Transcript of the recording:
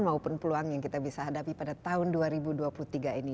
maupun peluang yang kita bisa hadapi pada tahun dua ribu dua puluh tiga ini